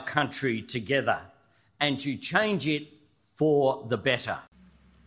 dan untuk mengubahnya untuk lebih baik